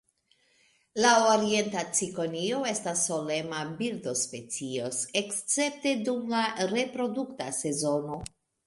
La Orienta cikonio estas solema birdospecio escepte dum la reprodukta sezono.